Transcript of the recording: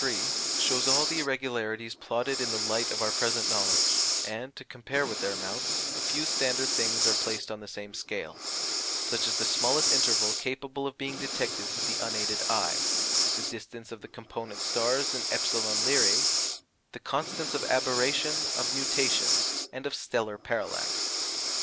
] The diagram shows all the irregularities plotted in the light of our present knowledge; and, to compare with their amounts, a few standard things are placed on the same scale, such as the smallest interval capable of being detected with the unaided eye, the distance of the component stars in [epsilon] Lyræ, the constants of aberration, of nutation, and of stellar parallax.